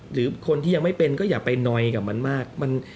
หรือคนที่ยังไม่เป็นก็อย่าไปนอยกับมันมาก